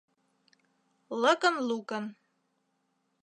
Лыкын-лукын